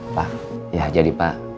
pak ya jadi pak